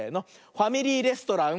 「ファミリーレストラン」。